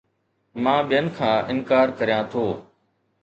مان ٻين کان انڪار ڪريان ٿو